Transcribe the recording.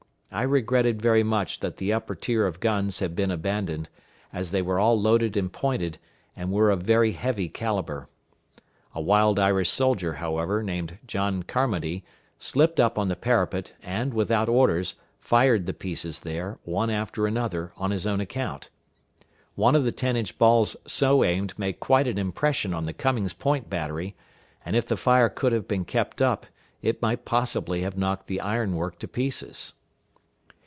I regretted very much that the upper tier of guns had been abandoned, as they were all loaded and pointed, and were of very heavy calibre. A wild Irish soldier, however, named John Carmody, slipped up on the parapet, and, without orders, fired the pieces there, one after another, on his own account. One of the ten inch balls so aimed made quite an impression on the Cummings Point battery; and if the fire could have been kept up, it might possibly have knocked the iron work to pieces.